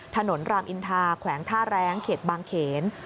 รามอินทาแขวงท่าแรงเขตบางเขน